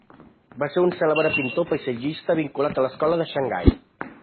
Va ser un cèlebre pintor paisatgista vinculat a l'Escola de Xangai.